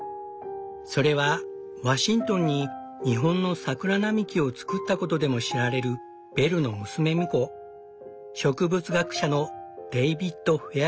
それはワシントンに日本の桜並木を作ったことでも知られるベルの娘婿植物学者のデイビッド・フェア